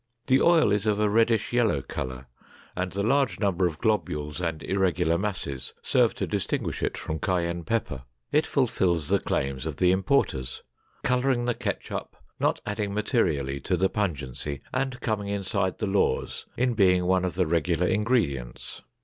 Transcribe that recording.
The oil is of a reddish yellow color and the large number of globules and irregular masses serve to distinguish it from cayenne pepper. It fulfills the claims of the importers—"coloring the ketchup, not adding materially to the pungency, and coming inside the laws in being one of the regular ingredients."